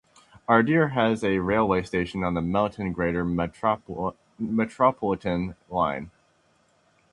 Ardeer has a railway station on the Melton greater-metropolitan line.